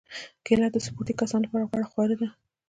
کېله د سپورتي کسانو لپاره غوره خواړه ده.